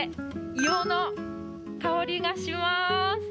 硫黄の香りがします。